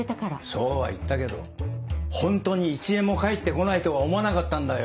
そうは言ったけどホントに１円も返ってこないとは思わなかったんだよ。